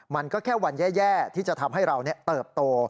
มันก็แค่วันแย่ที่จะทำให้เราเติบโต